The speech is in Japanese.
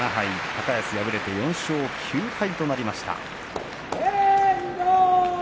高安は４勝９敗となりました。